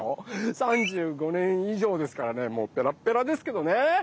３５年いじょうですからねもうペラッペラですけどね。